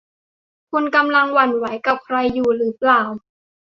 คุณกำลังหวั่นไหวกับใครอยู่หรือเปล่า